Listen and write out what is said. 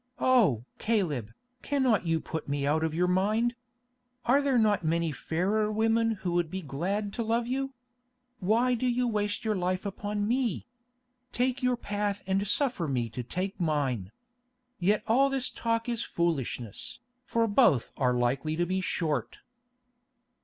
Oh! Caleb, cannot you put me out of your mind? Are there not many fairer women who would be glad to love you? Why do you waste your life upon me? Take your path and suffer me to take mine. Yet all this talk is foolishness, for both are likely to be short."